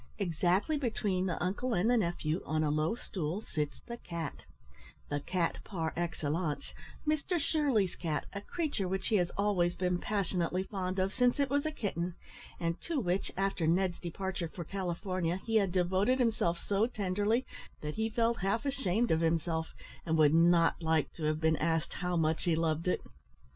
Exactly between the uncle and the nephew, on a low stool, sits the cat the cat, par excellence Mr Shirley's cat, a creature which he has always been passionately fond of since it was a kitten, and to which, after Ned's departure for California, he had devoted himself so tenderly, that he felt half ashamed of himself, and would not like to have been asked how much he loved it.